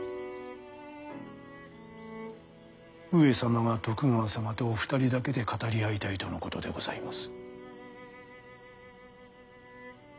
上様が徳川様とお二人だけで語り合いたいとのことでございます。